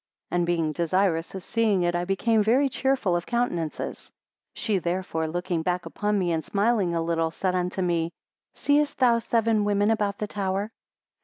And being desirous of seeing it, I became very cheerful of countenances. 83 She therefore looking back upon me, and smiling a little, said unto me, Seest thou seven women about the tower?